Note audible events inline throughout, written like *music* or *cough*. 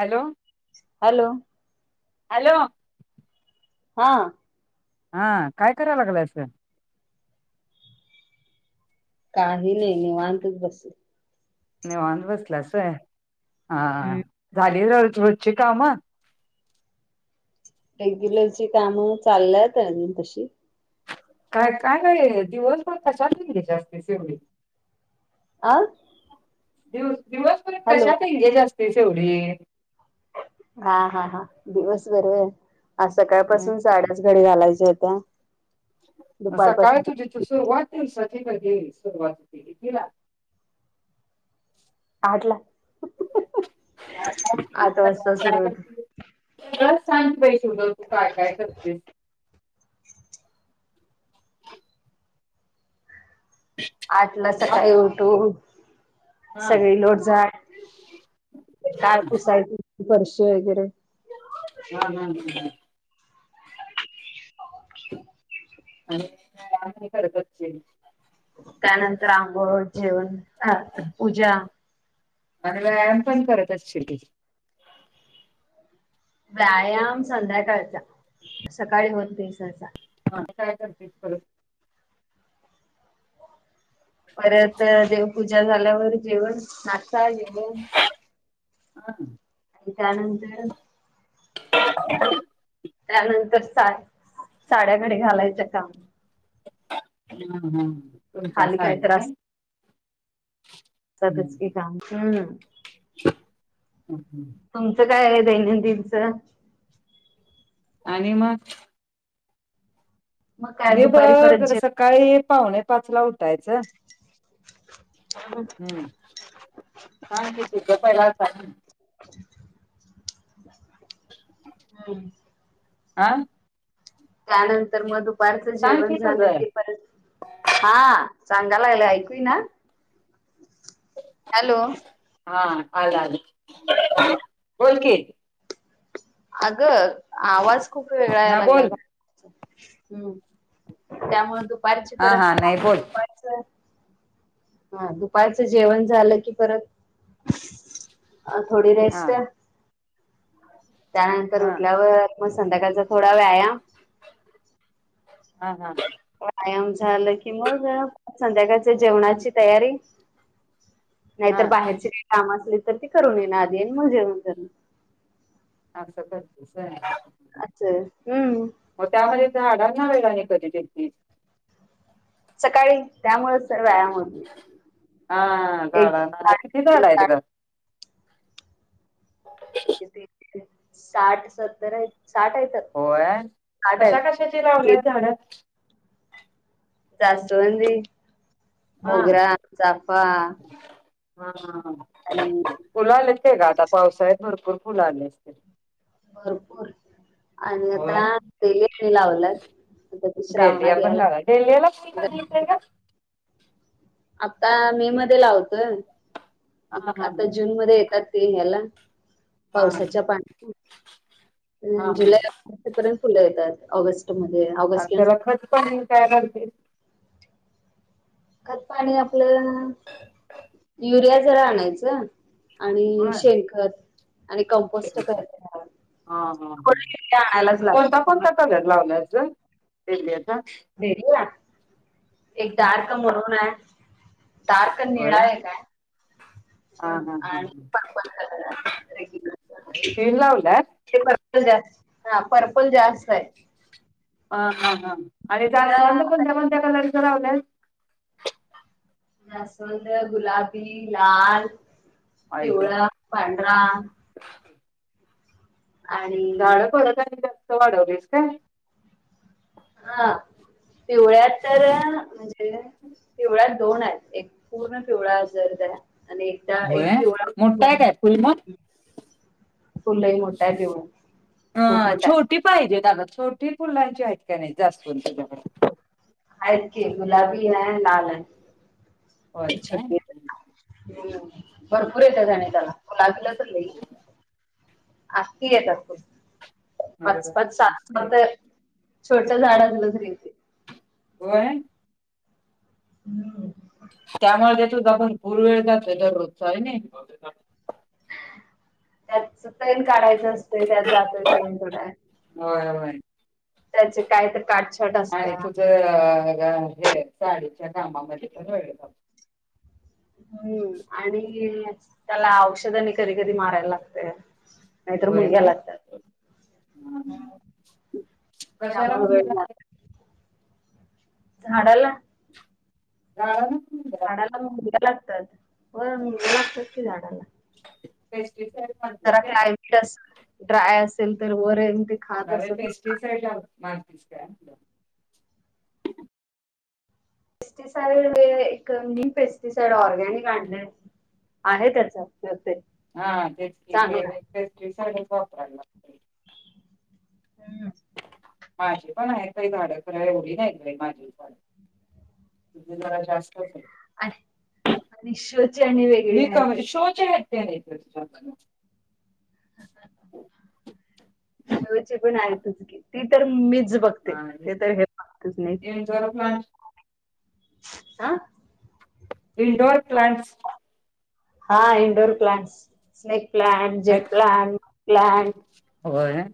Hello hello hello हा हा काय कराय लागलास? काही नाही निवांतच बसले. निवांत बसलायास आहे हा झाली रो रोजची कामं? रेग्युलरची कामं चालल्यात अजून तशी. काय काय नाहीय दिवसभर तशाच गेली जास्तीच एवढी. आं दिवस दिवसभर कशात ऐंगेज असतेस एवढी? हा हा हा दिवस बरं आहे आज सकाळ पाासून साड्या घडी घालायचे होत्या. सकाळ दुपारपासून तुझी तू सुरुवात दिवसाची कधी सुरुवात कितीला? आठ ला आठ वाजता सुरू होते. हिला सांग बाई *unintelligible* तू काय काय करते? आठला हा सकाळी उठून हा सगळी लोटझाट काय पुसायची फर्श वगैरे. हा हा हा. आणि काय *unintelligible* चेंज. त्यानंतर अंगोळ घेऊन पूजा. आणि व्यायाम पण करत असशील ती. व्यायाम संध्याकाळचा सकाळी होत दिवसाचा. हा आणि काय करतेस परत? परत देवपूजा झाल्यावर जेवण नाश्ता, जेवण. हां आणि त्यानंतर त्यानंतर सा साड्याकडे घडी घालायचं काम. हम्म हम्म तुमचा खाली साडी तर काय? हं, स्वतःच की काम हम्म. हं, हं. तुमचं काय आहे दैनंदिनचं? आणि मग मग काय मी दुपारी परत बघ जेवण सकाळी पावणे पाच ला उठायचं. *unintelligible* हम्म हा तर ते पहिलाच आहे. हम्म आं त्यानंतर मग दुपारचं सांग जेवण की झालं तुझं कि परत हा सांगाय लागले ऐकू ईना हॅलो. हा आला आल. बोलकीे. अगं आवाज खूप वेगळा हा यायला लागलाय बोल बाहेरचा हम्म. त्यामुळे दुपारची हा परत हा काम नाही बोल पण हा दुपारचं जेवण झालं की परत अ थोडी हा रेस्ट. त्यानंतर हा उठल्यावर मग संध्याकाळचा थोडा व्यायाम. हा हा हं. व्यायाम झालं कि मग संध्याकाळच्या जेवणाची तयारी. हा नाहीतर बाहेरची काही काम असलीत तर ती करून येणार आधी आणि मग जेवण करणार. अस करतीस वय हा हा. अस हम्म. मग त्यामध्ये झाडांना वेळ आणि कधी देतीस? सकाळी त्यामुळंच तर व्यायाम हा होतय एक दिवस झाडांना आड किती एक झाड दिवस आहेत ग आड. साठ सत्तर आहेत साठ आहेत. होय साठ कशा आहेत कशाची लावल्यात झाडं? जास्वंदी, हा मोगरा, हा चाफा. हा हा हम्म. आणि फुलं आल्यात काय ग आता पावसाळ्यात भरपूर फुल आले असतील. भरपूर आणि आता होय. डेलिया आणि लावल्यात. डेलीया पण लावय डेलीयाला फुल कधी येतयं गणपती. गं? आता मे मध्ये लावतोय हा हा आता जून मध्ये येतात ते ह्याला हा. पावसाच्या पाण्यातून हा अं हा जुलै ऑगस्ट पर्यंत फुलं येतात ऑगस्ट मध्ये ऑग आणि त्याला खत पाणी काय घालतीस? खत पाणी आपलं युरिया जरा आणायचं. आणि होय. शेणखत आणि कमपोस्ट करायच घरात. हा हा ह लागतं कोणता थोडं कोणता कलर लावलियास ग डेलियाचा? डेरिया एक डार्क मरून आहे. डार्क होय. निळा एक आहे. हा हा हा आणि पर्पल कलर ह रेग्युलर ते लावलियास. पर्पल जास्त हा पर्पल जास्त आहे. अ हा हा आणि जास्वंद कोणत्या कोणत्या कलरचं लावलंय? जास्वंद गुलाबी, लाल, आई ग पिवळा, पांढरा. आणि झाडं परत आणि जास्त वाढवलीस काय? हा पिवळ्यात तर म्हणजे पिवळ्या दोन आहेत एक पूर्ण पिवळाय जर जरा आणि एक त्या होय एक मोठा पिवळा आहे काय फुल मग? *unintelligible* फुल लई मोठा त्यो अ खूप मोठा आहे. छोटी पाहिजेत अगं छोटी फुलांची आहेत काय नाही जास्वंदी *unintelligible* आहेत की गुलाबी हाय लाल हाय. होय ती काय छोटी आहेत. हम्म. भरपूर येत्यात आणि त्याला *unintelligible* तर लई. अख्खी येतात *unintelligible* बरोबर पाच पाच, सात मस्त आहे सात तर की छोट झाड असलं तरी. होय. हम्म. त्यामुळं ते तुझा भरपूर वेळ जातोय दररोजचा होय नाई. त्यात तैन काढायचं असतंय त्यात जातोयचं वेळ थोडा. होय, होय. त्या काय तर काटछाट आणि असत्या तुझं हे साडीच्या कामामध्ये पण वेगळ लाग हम्म आणि त्याला औषध आणि कधी कधी मारायला लागतंय. नाहीतर होय मुंग्या काय लागतात. कशाला त्यामुळं म्हणजे वेळ मार झाडाला आ? झाडाला मुंग्या लागतात? होय मुंग्या लागतात की झाडांना. *unintelligible* तरी पण जरा क्लायमेट असेल ड्राय असेल तर वर *unintelligible* न्हव पेस्टिसाईडला मारतीस काय म्हटलं? पेस्टिसाईड एक नीमपेस्टिसाइड ऑर्गॅनिक आणलंय. आहे त्याच ते हा तेच की ते चांगला आहे. पेस्ट्रीसाईडच वापराय लागते. हम्म. माझी पण आहेत बाई झाडं खर एवढी नाही बाई माझी पण. तुझी जरा जास्त आहेत. आणि आणि शोची आणि वेगळी हायत. शोची हायत. ते आहेत *unintelligible* आमचं. शोची पण आहेतच की, ती तर मीच बघ हा आणि *unintelligible* आ? इंडोर प्लांट्स हा इंडोर प्लाॅंट्स, स्नेक प्लाॅंट, आहेत जेट का? प्लांट, प्लाॅंट होय.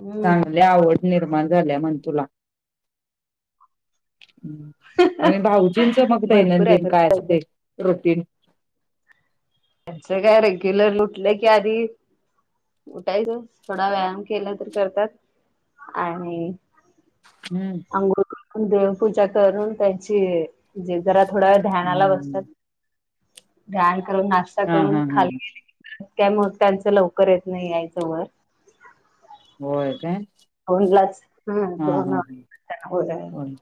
हम्म. चांगली आवड निर्माण झाल्या म्हण तुला. हम्म आणि भाऊजींचं मग भरपूर आहे दैनंदिन काय भरपूर आहे. असते रूटीन? त्यांचं काय रेग्युलर उठलं की आधी उठायचं थोडा व्यायाम केला तर करतात आणि हम्म. अंघोळ करून, देवपूजा करून त्यांची जे जरा थोड्या वेळ ध्यानाला बसतात. हम्म. ध्यान करून, नाश्ता हा करून हा हा खाली गेले की मग काय त्यांचं लवकर येत नाही यायच वर. *inaudible* होय काय *unintelligible* हं हा दोन हा वाजतात त्यांना वर यायला. होय.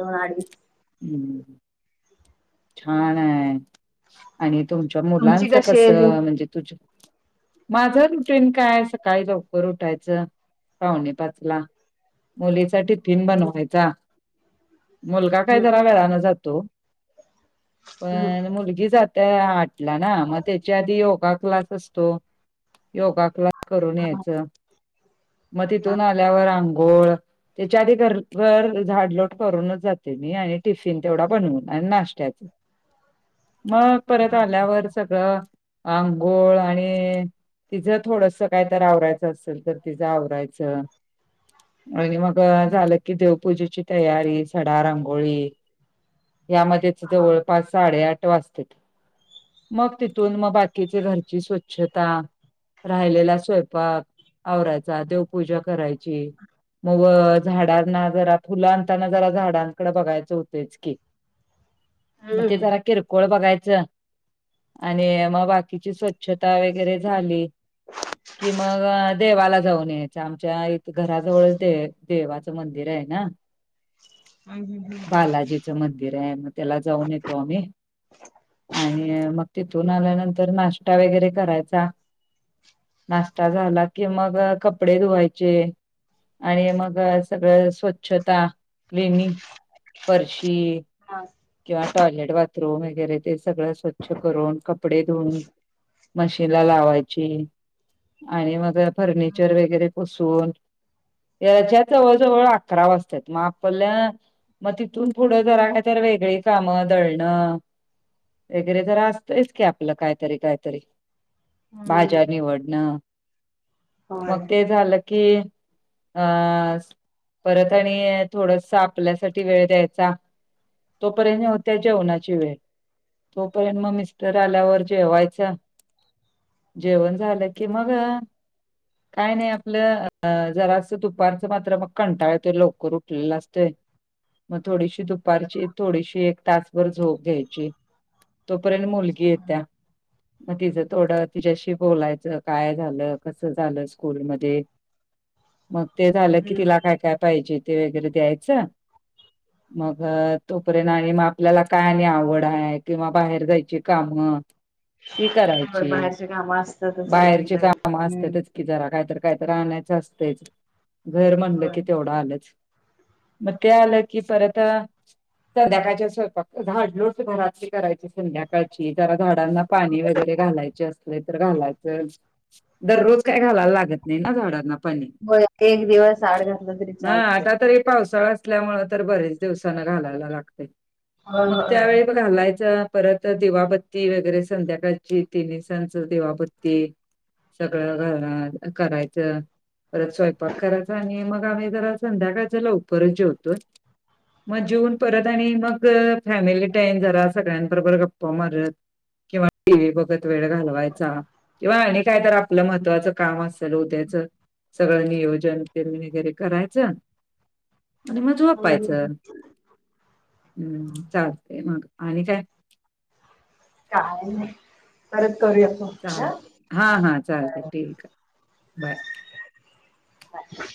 दोन अडीच हम्म, छाान आहे. आणि तुमच्या तुमची मुलांच कशी आहे अजून? कसं म्हणजे तुझं माझ रुटीन काय सकाळी लवकर उठायचं पावणे पाचला. मुलीचा टिफिन बनवायचा, मुलगा काय हम्म जरा वेळाानं जातो. होय हम्म आणि मुलगी जाते आठला ना मग त्याच्या आधी योगा क्लास असतो. योगा क्लास करून यायचं म तिथून आल्यावर आंघोळ त्याच्या आधी घर घर झाडलोट करूनच जा ते मी आणि टिफिन तेवढा बनवून आणि नाश्त्याच मग परत आल्यावर सगळं आंघोळ आणि तिझं थोडस काहीत आवरायचं असेल, तर तिच आवरायचं आणि मग झालं की देवपूजेची तयारी सडा, रांगोळी. यामध्येच जवळपास साडेआठ वाजतेत. मग तिथून मग बाकीचे घरची स्वच्छता. राहिलेला स्वयंपाक आवरायचा, देवपूजा करायची. मग व झाडांना जरा फुलं आणताना जरा झाड दानकड बघायच होतेच की मग ते हम्म जरा किरकोळ बघायचं आणि मग बाकीची स्वच्छता वगैरे झाली. कि मग देवाला जाऊन यायच आमच्या इथं घराजवळ देणंदेवाचं मंदिर आहे ना. अम हम्म. बालाजीचं मंदिर आहे म त्याला जाऊन येतो आम्ही आणि मग तिथून आल्यानंतर नाश्ता वगैरे करायचा. नाश्ता झाला की मग कपडे धुवायचे आणि मग सगळं स्वच्छता वेणी फरशी किंवा टॉयलेट बाथरूम वगैरे ते सगळं स्वच्छ करून कपडे धुऊन मशीन ला लावायची आणि म त्या फर्निचर वगैरे पु सुन याच्यात जवळ-जवळ अकरा वाजत्यात म आपल्या मग तिथून पुढं जर आहे तर वेगळी कामं दळणं वगैरे तर असतोयच की आपलं काहीतरी काहीतरी भाज्या हम्म निवडणं होय मग ते झालं की अस परत आणि थोडसा आ पल्यासाठी वेळ द्यायचा तोपर्यंत होत्या जेवणाची वेळ. तोपर्यंत मग मिस्टर आल्यावर जेवायचा. जेवण झालं की मगा काय नाही आपलं जरासं दुपारचं मात्र मग कंटाळ येतोय लवकर उठलेलं असतंय मग थोडीशी दुपारची थोडीशी एक तासभर झोप घ्यायची. तोपर्यंत मुलगी येत्या म तीजं थोडं तिच्याशी बोलायचं काय झालं कस झालं स्कूलमध्ये. मग ते झालं की हम्म तिला काय काय पाहिजे ते वगैरे द्यायचं. मग तोपर्यंत आणि म आपल्याला काय आणि आवड आहे किंवा बाहेर जायची कामं ती होय करायची बाहेरचे काम असतातच बाहेरचे रेग्युलर कामं हम्म असतेतच कि जरा काहीत कायतरी आणायचं असतोयच घर म्हणलं की होय तेवढं आलंच मग ते आलं की परत संध्याकाळच्या स्वरपाक झाडलोट घरातली करायची संध्या काळची जरा झाडांना पाणी वगैरे घालायचे असले तर घालायचं. दररोज काय घालायला लागत नाही ना झाडांना पाणी होय एक दिवस आड घातलं तरी हा चालतंय. आता तर पावसाळास ल्यामुळे तर बरेच दिवसान घालायला लागते मग त्यावेळी अ पण घालायच परत दिवाबत्ती वगैरे संध्याकाळची तिनी सांचा दिवाबत्ती सगळं घरनार करायचं परत स्वयंपाक करायचा आणि मग आम्ही जरा संध्याकाळच्या लवकरच जेवतोय. मग जऊून परत आणि मग फॅमिली टाइम जरा सगळ्यां बरोबर गप्पा मारत किंवा टी व्ही बघत वेळ घालवायचा. किंवा आणि काय तर आपलं महत्त्वाचं काम असेल ओतायचं. सगळं नियोजन तेन वगैरे करायचं आणि म झोपायचं हम्म चालतेय मग आणि काय काय नाही परत करूया फोन. चाल हा. हा हा चालते बर. ठीक आहे बाय. बाय